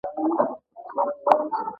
دوی ګچ او اوبه او چغل سره ګډول.